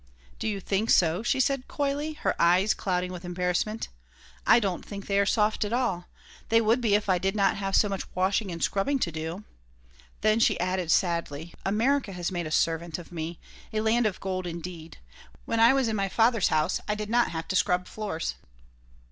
"Do you think so?" she said, coyly, her eyes clouding with embarrassment. "I don't think they are soft at all. They would be if I did not have so much washing and scrubbing to do." Then she added, sadly: "America has made a servant of me. A land of gold, indeed! When I was in my father's house I did not have to scrub floors."